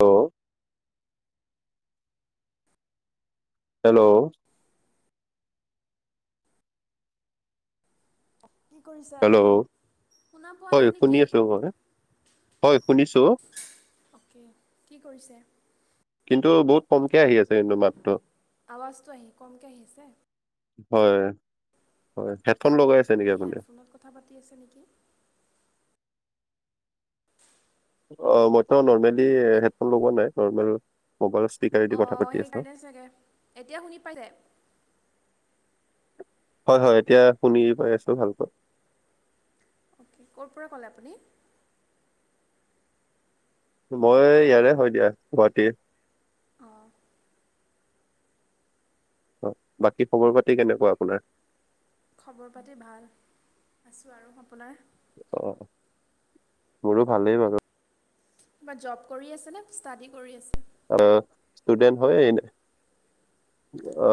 Hello hello. কি কৰিছা? Hello শুনা পোৱা হয় নাই শুনি নেকি? আছো হয়। হয় শুনিছো। অ' কে, কি কৰিছে? কিন্তু বহুত কমকে আহি আছে কিন্তু মাতটো। আৱাজটো আহি কমকৈ আহিছে? হয়। হয়, হেডফণ লগাই আছে নেকি আপুনি হেডফোনত কথা পাতি আছে নেকি? অ' মইতো নৰ্মেলি হেডফোন লগোৱা নাই নৰ্মেল মবাইলৰ স্পিকাৰএদি কথা অঁ পাতি আছোঁ। সেইকাৰণে চাগে, এতিয়া শুনি পাইছে? হয়, হয় এতিয়া শুনি পাই আছো ভালকৈ। ক'ৰ পৰা ক'লে আপুনি? মই ইয়াৰে হয় দিয়া গুৱাহাটীৰ। অঁ, বাকী খবৰ পাতি কেনেকুৱা আপোনাৰ? খবৰ পাতি ভাল আছোঁ আৰু আপোনাৰ? অ', মোৰো ভালেই বাৰু। কিবা জব কৰি আছেনে ষ্টাডি কৰি আছে? অ', ষ্টুডেন্ট হয় এনে,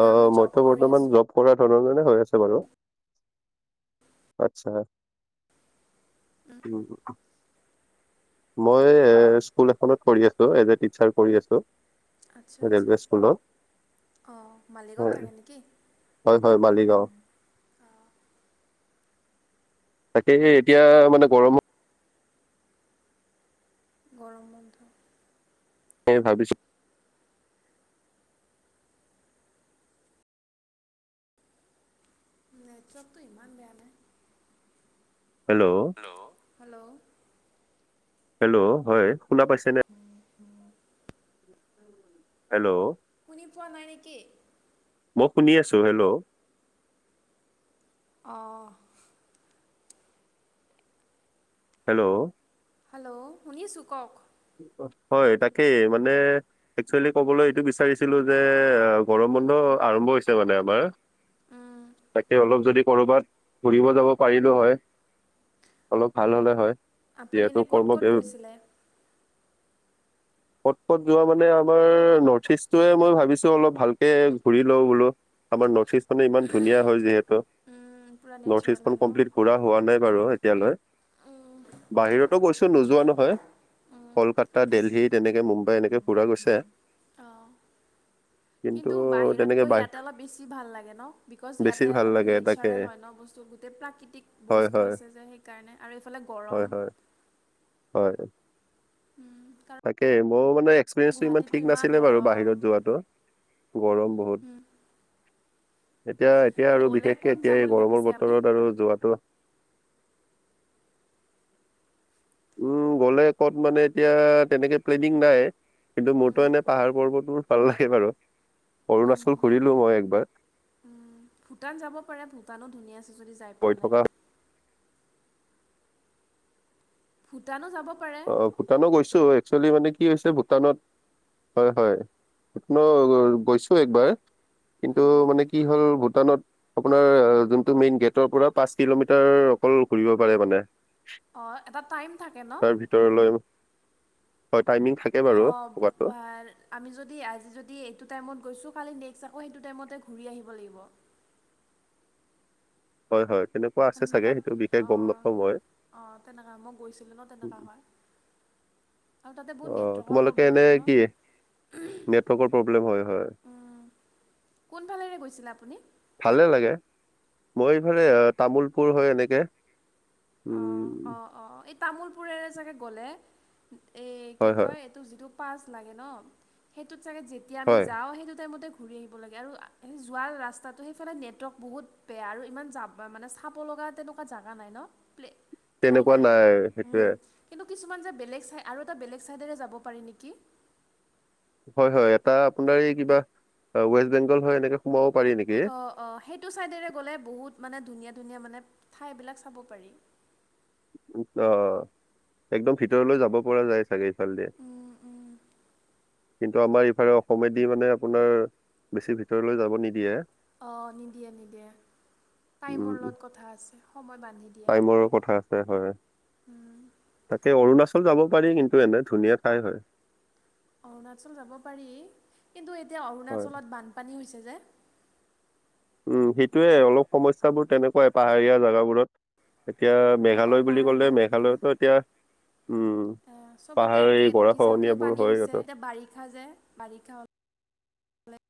না মই জব মইতো কৰি বৰ্তমান আছোঁ। জব কৰা ধৰণনে হৈ আছে বাৰু আটচ্ছা। উম। মই স্কুল এখনত কৰি আছো এজ এ টিচাৰ কৰি আছো। আচ্ছা-আচ্ছা ৰেলৱে স্কুলত। অ', মালিগাঁৱত হয় থাকে নেকি? হয়, হয় মালিগাঁও। তাকে সে এতিয়া মানে গৰম গৰম বন্ধ। ভাবিছো নেটৱৰ্ক টো ইমান বেয়া নে? হেল্ল'? হেল্ল'। হেল্ল'? হেল্ল' হয় শুনা পাইছে ন [inaudible] হেল্ল' শুনি পোৱা নাই নেকি মই শুনি আছো হেল্ল' অঁ হেল্ল' হেল্ল' শুনিছোঁ কওক হয় তাকে মানে একচুৱেলি ক'বলৈ এইটো বিচাৰিছিলোঁ যে গৰম বন্ধ আৰম্ভ হৈছে মানে আমাৰ তাকে অলপ যদি কৰ'বাত ঘুৰিব যাব পাৰিলো হয় অলপ ভাল হ'লে হয় আপুনি যিহেতু এনেই ক'ত কৰ্ম ক'ত গৈছিলে কট পট যোৱা মানে আমাৰ নৰ্থ ইষ্টোৱে মই ভাবিছো অলপ ভালকে ঘূৰি লওঁ বোলো আমাৰ নৰ্থ ইষ্ট মানে ইমান ধুনীয়া হয় যিহেতু পূৰা নৰ্থ নেচাৰেল ইষ্টখন হয় ন কমপ্লিট ঘুৰা হোৱা নাই বাৰু এতিয়ালৈ উম, বাহিৰতো গৈছো নোযোৱা নহয় উম, কলকাতা দেল্হি তেনেকে মুম্বাই এনেকৈ ফুৰা গৈছে অঁ কিন্তু বাহিৰত তেনেকে গৈ বাই ইয়াতে অলপ বেছি ভাল লাগে ন বিকজ বেছি ইয়াতে ভাল অলপমান লাগে তাকে নেচাৰেল হয় ন বস্তু চ' গোটেই প্ৰাকৃতিক হয় বস্তু হয় আছে যে সেইকাৰণে আৰু এইফালে হয় গৰম হয় হয় উম কাৰণ তাকে মোৰ মানে এক্সপিৰিয়েন্ঞ্চটো ইমান গুৱাহাটীতো ঠিক নাছিলে বাৰু গৰম বাহিৰত যোৱাাতো গৰম বহুত উম, এতিয়া এতিয়া এনে আৰু গ'লে বিশেষকে ক'ত যাম এতিয়া এই বুলি গৰমৰ ভাবিছে আপুনি বতৰত আৰু যোৱাাতটো উম গ'লে ক'ত মানে এতিয়া তেনেকে প্লেনিং নাই কিন্তু মোৰতো উম, এনে পাহাৰ পৰ্বত মোৰ ভাল লাগে বাৰু উম, অৰুণাচল ঘূৰিলো মই একবাৰ উম, ভূটান যাব পাৰে ভূটানো ধুনীয়া আছে যদি যাই গৈ পোৱা নাই থকা ভূটানো যাব পাৰে ভূটানত গৈছো এক্চুৱেলি মানে কি হৈছে ভূটানত হয় হয় আপোনো গৈছো একবাৰ কিন্তু উম, মানে কি হ'ল ভূটানত আপোনাৰ যোনটো মেইন গেটৰ পৰা পাঁচ কিলোমিটাৰ অকল ঘূৰিব পাৰে মানে অ এটা টাইম থাকে ন তাৰ ভিতৰলৈ হয় টাইমিং থাকে বাৰু অঁ পকটো বা- আমি যদি আজি যদি এইটো টাইমত গৈছোঁ খালি নেক্সট আকৌ সেইটো টাইমতে ঘূৰি আহিব লাগিব হয় হয় তেনেকুৱা আছে চাগে সেইটো সনেকুৱাত বিশেষ গম অঁ নাপাওঁ মই। অঁ তেনেকুৱা হয় মই গৈছিলোঁ ন তেনেকুৱা হয় আৰু তাতে বহুত অ' নেটৱৰ্কৰ তোমালোকে প্ৰব্লেম এনে হয় ন কি নেটৱৰ্কৰ প্ৰব্লেম হয় হয় উম, কোনফালেৰে গৈছিলে আপুনি ভালে লাগে মই এইফালে তামোুলপুৰ হয় এনেকে অ অ উম অ এই তামোুলপুৰৰে চাগে গ'লে এই কি হয় হয় কয় যিটো পা লে ন সেইটোত চাগ যেতিয়া আমি হয় যাওঁ সেইটো াইম ঘূৰি আহিব লাগে আৰু এ যোৱা ৰাস্তাটো সেইফালে নেটৱৰ্ক বহুত বেয়া আৰু ইমান জাম মানে চাব লগা তেনেকুৱা জোগা নাই ন প্লে ঠাই তেনেকুৱা নাই সেইটোৱে কিন্তু কিছুমান যে বেলেগ চাই আৰু এটা বেলেগ ছাইডেৰে যাব পাৰি নেকি হয় হয় এটা আপোনাৰ এই কিবা ৱেষ্ট বেংগল হয় এনেকে সোমাব পাৰি নেকি অঁ অঁ সেইটো ছাইডেৰে গ'লে বহুত মানে ধুনীয়া ধুনীয়া মানে ঠাইবিলাক চাব পাৰি অ একদম ভিতৰলৈ যাব পৰা যায় চাগে এইফালে দিয়ে [inaudible] কিন্তু আমাৰ ইফালে অসমেদি মানে আপোনাৰ বেছি ভিতৰলৈ যাব নিদিয়ে অঁ নিদিয়ে নিদিয়ে উম টাইমৰ লগত কথা আছে সময় বান্ধি দিয়ে হয় হয় তাকে অৰুণাচল যাব পাৰি কিন্তু এনে ধুনীয়া ঠাই হয় অৰুণাচল যাব পাৰি কিন্তু এতিয়া হয় অৰুণাচলত বানপানী হৈছে যে উম সেইটোয়ে অলপ সমস্যাাবোৰ তেনেকুৱাই পাহাৰীয়া জোগাবোৰত এতিয়া মেঘালয় বুলি ক'লে পাহাৰবিলাক ভাঙি মেঘালয়তো এতিয়া উম অ চবতে পাহাৰী একে কি চাহকিও গৰাখহনীয়াবোৰ পানী হয় হৈছে সিহঁতৰ এতিয়া বাৰিষা যে বাৰিষা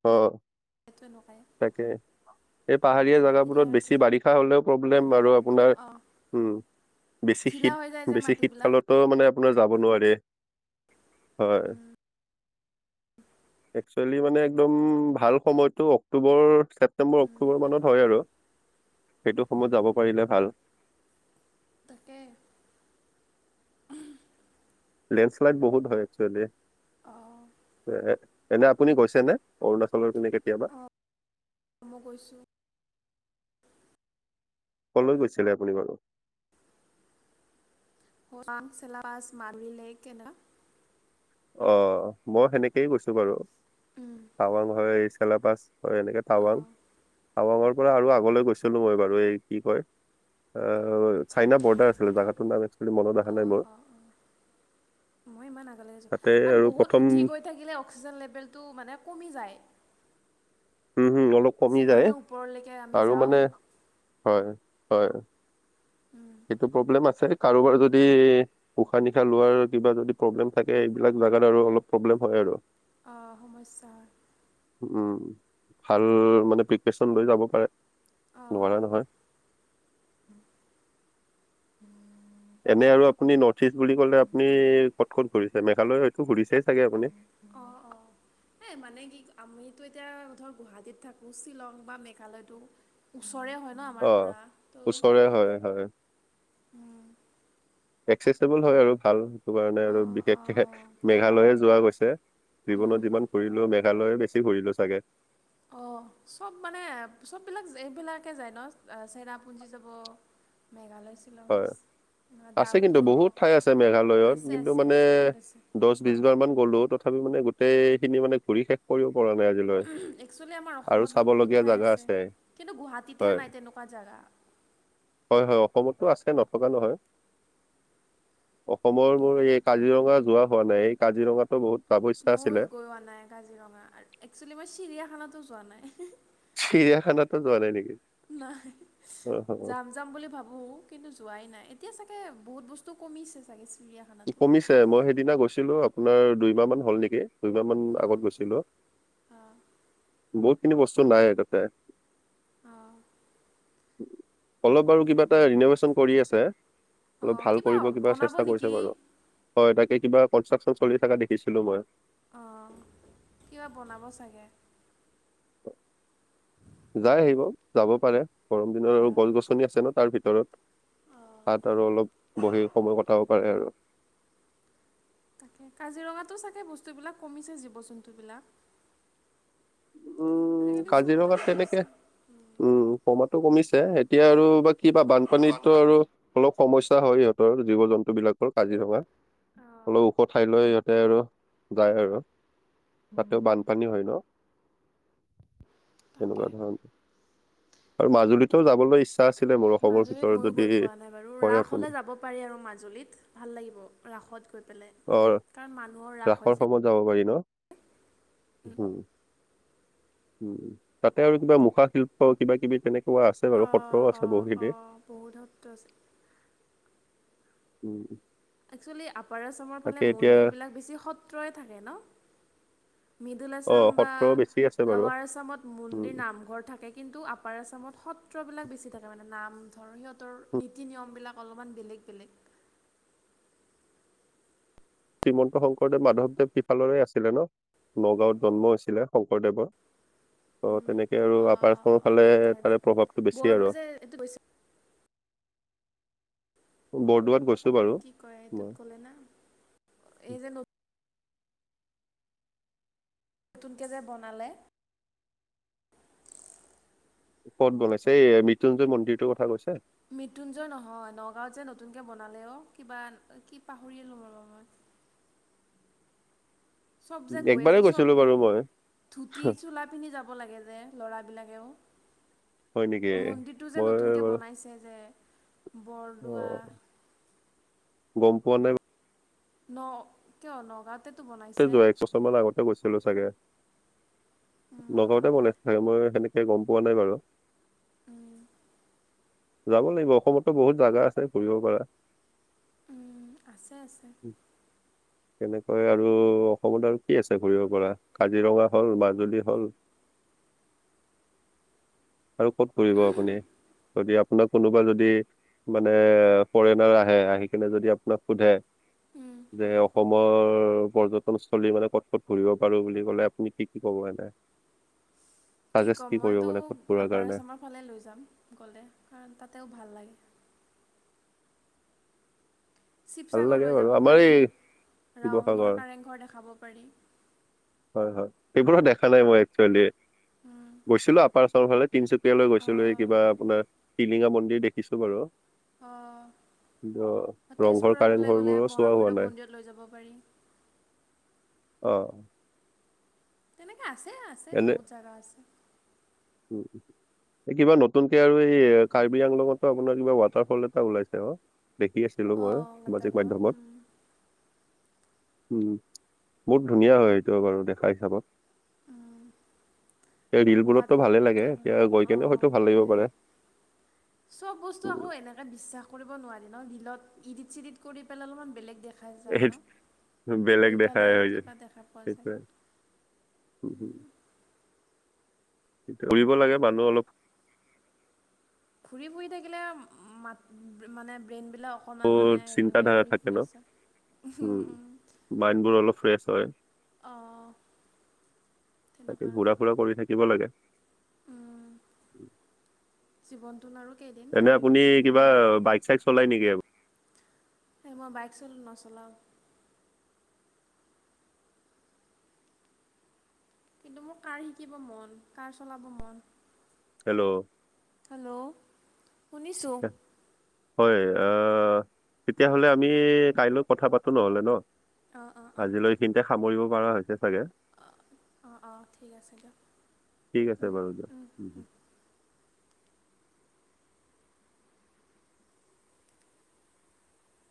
অ তলকায় তাকে এই পাহাৰীয়া জোগাবোৰত বেছি বাৰিষা হলেও প্ৰব্লেম আৰু আপোনাৰ অ' উম বেছি ঢিলা শীত হৈ যায় যে বেছি মাটিবিলাক শীতকালত ত মানে আপোনাৰ যাব নোৱাৰে হয় একচুৱেলি মানে একদম ভাল সময়তটো অক্টোবৰ ছেপ্তেম্বৰ্ উ উম, খবৰ মানত হয় আৰু সেইটো সময়ত যাব পাৰিলে ভাল তাকে লেণ্ডছ্লাইড বহুত হয় এক্চেলি অঁ এনে আপুনি গৈছে নে অৰুণাচলৰ পিনে কেতিয়াবা অ' মই গৈছো কলৈ গৈছিলে আপুনি বাৰু মং চল আছ মাৰিিলেকে ন অ মই সেনেকেই গৈছো বাৰু উম, াৱং ঘৰ এই চেলা পছ হয় এনেকে টাৱাং অ' টাৱাঙৰ পৰা আৰু আগলৈ গৈছিলো মই বাৰু এই কি কয় অ চাইনা বৰ্ডাৰ আছিলে জগাতো নাম একচুৱেলি মনত অহা অ নাই মোৰ অ অ মই ইমান আগলৈে যো তাতে কাৰ আৰু বহুত প্ৰথম উঠি গৈ থাকিলে অক্সিজেন লেভেলটো মানে কমি যায় অলপ কমি যায় যিমানে ওপৰলৈকে আমি আৰু যাওঁ মানে হয় হয় উম সেইটো প্ৰব্লেম আছে কাৰোবাৰ যদি উশাহ নিশাহ লোৱাৰ কিবা যদি প্ৰব্লেম থাকে এইবিলাক জাগাত আৰু অলপ প্ৰব্লেম হয় আৰু অঁ সমস্যা উম ভাল মানে প্ৰিপেশ্যন লৈ যাব পাৰে অঁ নোৱা নহয় এনে আৰু আপুনি নৰ্থ ইষ্ট বুলি কলে আপুনি ক'ত ক'ত ঘূৰিছে মেঘালয় হয়তো ঘূৰিছেই চাগে আপুনি অঁ অঁ হেই মানে কি আমিতো এতিয়া ধৰ গুৱাহাটীত থাকো শ্বিলং বা মেঘালয়তটো ওচৰে হয় অ ওচৰে হয় হয় উম, এক্সেচবল হয় আৰু ভাল স কাৰণ আৰু অঁ অঁ বিশেষকে অঁ মেঘালয়ে যোৱা গৈছে জীৱনত উম, যিমান কৰিূৰিলো মেঘালয় বেছি ঘূৰিলোঁ চাগে অ চব মানে চববিলাক এইবিলাকে যায় ন চেৰাপুঞ্জি যাব মেঘালয় শ্বিলং হয় আছে কিন্তু ডাউকি বহুত হওক ঠাই আছে মেঘালয়ত আছে কিন্তু আছে মানে আছে বহুত আছে দ বিশবাৰ মান গ'লো তথাপি মানে গোটেই খিনি মানে ঘূৰি শেষ কৰিব পৰা নাই আজি একচুৱেলি আমাৰ অসমত ন বহুত ঠাই আছে কিন্তু গুৱাহাটীতহে হয় নাই তেনেকুৱা জেগা হয় হয় অসমতটো আছে নথকা নহয় অসমৰ মোৰ এই ক কাজিৰঙা যোৱা হোৱা নাই এই কাজিৰঙাটো বহুত যাব ইচ্ছা ময়ো আছিলে গোৱা নাই কাজিৰঙা একচুৱেলি মই চিৰিয়াখানাতো যোৱা নাই চিৰিয়াখানাতো যোৱা নাই নেকি নাই অ অ। যাম যাম বুলি ভাবো, কিন্তু যোৱাই নাই এতিয়া চাগে বহুত বস্তু কমিছে চাগে চৰিয়া কমিছে মই সেইদিনা গৈছিলো আপোনাৰ দুইমাহ মান হ'ল নেকি। দুইমাহ মান আগত অঁ গৈছিলো, অঁ বহুতখিনি বস্তু নাই তাতে। অ। অলপ বাৰু কিবা এটা ৰিন'ভেচন কৰি আছে। অলপ অঁ ভাল কৰিব কিবা বনাব চেষ্টা কৰিছে নেকি বাৰু। হয় তাকে কিবা কনষ্ট্ৰাকচন চলি থাকা দেখিছিলো মই। অ কিবা বনাব চাগে। [inaudible] যাই আহিব, যাব পাৰে গৰম দিনত আৰু অঁ গছ-গছনি আছে ন তাৰ ভিতৰত। অঁ তাত আৰু অলপ বহি সময় কটাব পাৰে আৰু। তাকে, কাজিৰঙাতো চাগে বস্তুবিলাক কমিছে জীৱ-জন্তু বিলাক। উম আজিকালি চবতে কাজিৰঙাত তেনেকে কমিছে উম। কমাটো কমিছে, এতিয়া আৰু বা কিবা বানপানীটো আৰু বানপানীত অলপ সমস্যা হয় সিহঁতৰ জীৱ-জন্তু বিলাকৰ। কাজিৰঙা, অঁ অলপ ওখ ঠাইলৈ ইহঁতে আৰু যায় আৰু। তাতেও বানপানীয়ো হয় ন। তেনেকুৱা তাকে ধৰণৰ, আৰু মাজুলীটো যাবলৈ ইচ্ছা আচিলে মোৰ অসমৰ মাজুলীত ভিতৰত ময়ো যদি গৈ পোৱা নাই বাৰু কয় ৰাস আপুনি হ'লে যাব পাৰি আৰু মাজুলীত, ভাল লাগিব ৰাসত গৈ পেলাই। অ কাৰণ মানুহৰ ৰাস ৰাসৰ হয় যে। সময়ত যাব পাৰি ন? উম। উম তাতে আৰু কিবা মুখা শিল্প কিবা-কিবি তেনেকুৱা আছে বাৰু অঁ সত্ৰও আছে অঁ বহুখিনি। অঁ বহুত সত্ৰ আছে। উম। একচুৱেলি আপাৰ আছামৰ ফালে তাকে এতিয়া মন্দিৰ বিলাক বেছি সত্ৰয়ে থাকে ন? মিডল অ আছাম বা সত্ৰও বেছি আছে বাৰু লৱাৰ আছামত উম মন্দিৰ, নামঘৰ থাকে কিন্তু আপাৰ আছামত সত্ৰবিলাক বেছি থাকে মানে। নাম ধৰা সিহঁতৰ নীতি-নিয়ম বিলাক অলপমান বেলেগ বেলেগ। শ্ৰীমন্ত শংকৰদেৱ, মাধৱদেৱ সিফালৰে আছিলে ন। নগাঁওত জন্ম হৈছিলে শংকৰদেৱৰ। ত তেনেকে আৰু অঁ আপাৰ অঁ আচামৰ অঁ ফালে সেইকাৰণে তাৰে প্ৰভাৱটো বেছি আৰু। [inaudible] বৰদুৱাট গৈছোঁ। কি কয় এইটোত গলে না? এই যে নতুনকৈ যে বনালে। ক'ত বনাইছে? এই মৃত্যুঞ্জয় মন্দিৰটোৰ কথা কৈছা? মৃত্যুঞ্জয় নহয়, নগাঁৱত যে নতুনকে বনালে অ, কিবা কি পাহৰিলোঁ ৰ মই। চ'ব যে গৈ একবাৰেই আছে, চ'ব গৈছিলো বাৰু মই ধূতি-চোলা পিন্ধি যাব লাগে যে ল'ৰা বিলাকেও। হয় নেকি মন্দিৰটো যে মই নতুনকে বাৰু বনাইছে যে, অ বৰদোৱা গম পোৱা নাই ন কিয় নগাঁৱত যোৱা এক বছৰ মান আগতে গৈছিলো চাগে। উম নগাঁওতে বনাইছে চাগে মই সেনেকে গম পোৱা নাই বাৰু। উম। যাব লাগিব অসমতো বহুত জাগা আছে, ফুৰিব পাৰা। উম আছে আছে। তেনেকৈ আৰু আৰু অসমত আৰু কি আছে ঘুৰিব পৰা, কাজিৰঙা হ'ল মাজুলী হ'ল [inaudible] আৰু ক'ত পৰিব আপুনি? যদি আপোনাক কোনোবা যদি মানে ফৰেনাৰ আহে, আহি কেনে যদি আপোনাক সোধে। উম যে অসমৰ পৰ্যটনস্থলী মানে ক'ত, ক'ত ঘূৰিব পাৰো বুলি ক'লে আপুনি কি, কি ক'ব এনে? কি চাজেষ্ট ক'ম কৰিব মইতো, মানে ক'ত ঘূৰাৰ কাৰণে আপাৰআচামৰ ফালে লৈ যাম গ'লে কাৰণ তাতেও ভাল লাগে। ভাল চিৱচাগৰ লাগে লৈ বাৰু যাব আমাৰ পাৰি এই ৰাওংঘৰ, শিৱসাগৰ কাৰেংঘৰ দেখাব পাৰি। হয়, হয় সেইবোৰো দেখা নাই মই একচুৱেলি, উম গৈছিলো আপাৰআচামৰ ফালে। তিনচুকীয়ালৈ গৈছিলো এই অঁ কিবা আপোনাৰ টিলিঙা মন্দিৰ দেখিছো বাৰু। কিন্তু অ', ৰংঘৰ তেজপুৰৰ ফালে গ'লে কাৰেংঘৰবোৰো চোৱা হোৱা মহাভৈৰৱ নাই মন্দিৰত লৈ যাব পাৰি। অ'। তেনেকে আছে, আছে এনে বহুত জাগা আছে। [inaudible] এই কিবা নতুনকে আৰু হেই কাৰ্বি আংলংতো আপোনাৰ কিবা ৱাটাৰফল এটা ওলাইছে অ' দেখি আছে। ছিলোঁ মই অঁ সামাজিক ৱাটাৰফল মাধ্যমত। উম, বহুত ধুনীয়া হয় এইটো বাৰু দেখা হিচাপত। অ'। এ ৰিলবোৰতো ভালে লাগে, এতিয়া গৈ কেনে অঁ হয়তো ভাল লাগিব হয় পাৰে। চব বস্তু আকৌ এনেকে বিশ্বাস। কৰিব নোৱাৰি ন ৰিলত ইডিট চিডিট কৰি পেলাই অলপমান বেলেগ। দেখা যায় সেই ন। বেলেগ গৈ দেখাই পেলাই হৈ যায় কিবা দেখা পোৱা যায়। উম, হুম। ঘূৰিব লাগে মানুহ অলপ। ঘূৰি ফুৰি থাকিলে মাত মানে ব্ৰেইনবিলাক। অকণমান মানে হেৰি চিন্তা হয় ধাৰা আৰু [unintelligible] মাইণ্ডবোৰ অলপ ফ্ৰেছ হয়। অঁ তাকে তেনেকুৱা ঘূৰা ফুৰা কৰি থাকি। দিব লাগে। উম, জীৱনটোন আৰু কেইদিন এনে ঘুৰি আপুনি ফুৰিয়ে থাকিব কিবা লাগে। বাইক চাইক চলাই নেকি আৰু। হে, মই বাইক চোন নচলাওঁ। কিন্তু মোৰ কাৰ শিকিব মন, কাৰ চলাব মন। হেল্ল' হেল্ল' শুনিছোঁ। হয় আ, তেতিয়াহ'লে আমি কাইলৈ কথা পাতো নহ'লে ন? অঁ অঁ অঁ আজিলৈ এইখিনিতে সামৰিব পৰা হৈছে চাগে। অঁ অঁ ঠিক আছে ঠিক আছে বাৰু দিয়ক।